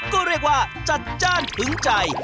ก็เรียกว่าจัดจ้านถึงใจ